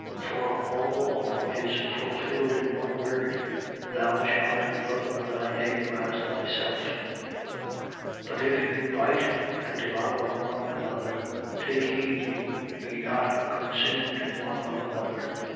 5:14. For all the law is fulfilled in one word: Thou shalt love thy neighbour as thyself. 5:15. But if you bite and devour one another: take heed you be not consumed one of another.